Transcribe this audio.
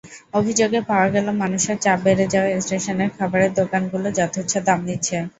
অভিযোগ পাওয়া গেল, মানুষের চাপ বেড়ে যাওয়ায় স্টেশনের খাবারের দোকানগুলো যথেচ্ছ দাম নিচ্ছে।